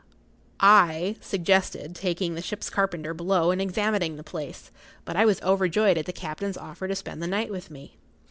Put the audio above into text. I suggested taking the ship's carpenter below and examining the place; but I was overjoyed at the captain's offer to spend the night with me.